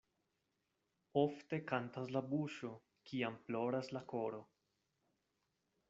Ofte kantas la buŝo, kiam ploras la koro.